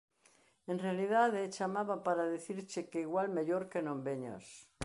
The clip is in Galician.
En realidade, chamaba para dicirche que igual mellor que non veñas.